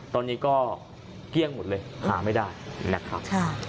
ตอนนี้ก็เกลี้ยงหมดเลยหาไม่ได้นะครับ